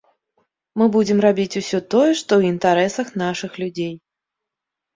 Мы будзем рабіць усё тое, што ў інтарэсах нашых людзей.